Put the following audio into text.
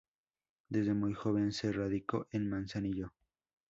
Desde muy joven se radicó en Manzanillo.